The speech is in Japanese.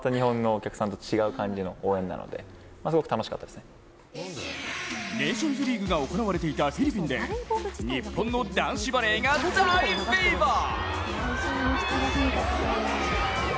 最初の話題はネーションズリーグが行われていたフィリピンで日本の男子バレーが大フィーバー。